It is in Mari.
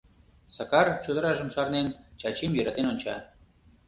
Сакар, чодыражым шарнен, Чачим йӧратен онча.